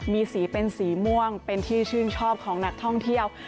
มีสีเป็นสีม่วงเป็นที่ชื่นชอบของนักท่องเที่ยว